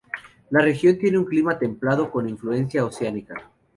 La región tiene un clima templado con influencia oceánica.